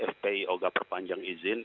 fpi oga perpanjang izin